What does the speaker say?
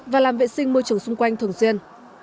và làm vệ sinh môi trường xung quanh thường xuyên